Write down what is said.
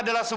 dan b data